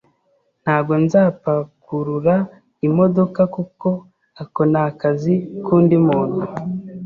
Ntabwo nzapakurura imodoka kuko ako ni akazi k'undi muntu.